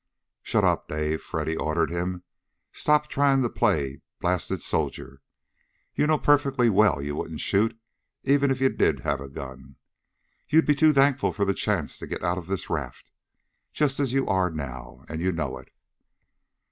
"Shut up, Dave!" Freddy ordered him: "Stop trying to play blasted soldier. You know perfectly well you wouldn't shoot, even if you did have a gun. You'd be too thankful for the chance to get out of this raft, just as you are now. And you know it!"